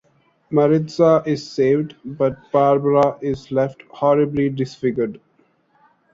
Maritza is saved, but Barbara is left horribly disfigured.